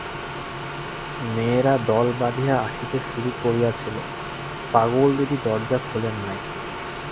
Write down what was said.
মেয়েরা দল বাধিয়া আসিতে শুরু করিয়াছিল, পাগলদিদি দরজা খোলেন নাই।